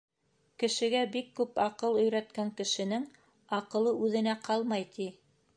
Кешегә бик күп аҡыл өйрәткән кешенең аҡылы үҙенә ҡалмай, ти.